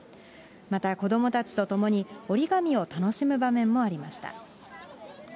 また子どもたちと共に折り紙を楽しむ場面もありました。